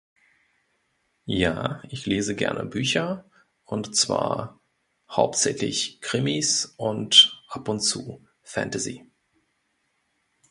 Ja ich lese gerne Bücher und zwar hauptsächlich Krimis und ab und zu Fantasy.